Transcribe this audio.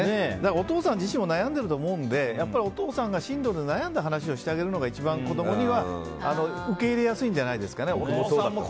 お父さん自身も悩んでいると思うのでお父さんが進路で悩んだ話をするのが一番子供には受け入れやすいんじゃないですかね。